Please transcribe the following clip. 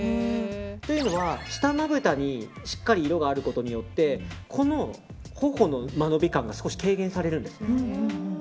というのは、下まぶたにしっかり色があることによってこの頬の間延び感が少し軽減されるんですね。